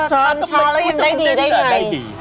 ทำช้าแล้วยังได้ดีได้ไง